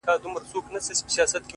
o اوس د چا پر پلونو پل نږدم بېرېږم،